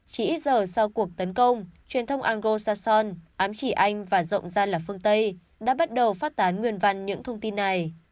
chỉ ít giờ sau cuộc tấn công truyền thông ango sasson ám chỉ anh và rộng ra là phương tây đã bắt đầu phát tán nguyên văn những thông tin này